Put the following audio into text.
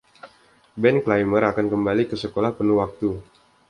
Ben Clymer akan kembali ke sekolah penuh waktu.